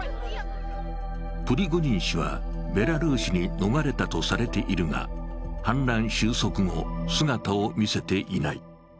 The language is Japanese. プリゴジン氏は、ベラルーシに逃れたとされているが反乱収束後、姿を見せていない。